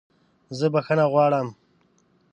زه بخښنه غواړم!